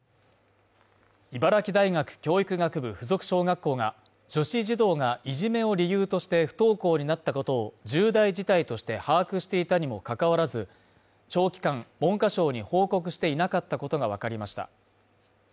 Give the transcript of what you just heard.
茨城大学教育学部付属小学校が女子児童がいじめを理由として不登校になったことを重大事態として把握していたにもかかわらず、長期間文科省に報告していなかったことがわかりました。